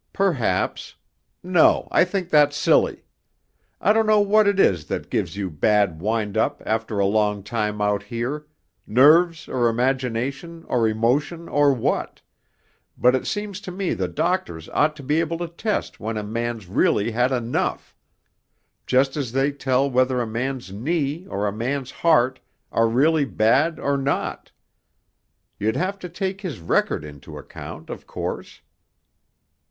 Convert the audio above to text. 'Perhaps no, I think that's silly. I don't know what it is that gives you bad wind up after a long time out here, nerves or imagination or emotion or what, but it seems to me the doctors ought to be able to test when a man's really had enough; just as they tell whether a man's knee or a man's heart are really bad or not. You'd have to take his record into account, of course....'